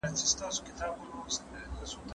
¬ د بل په غاړه چاړه تېره کوي.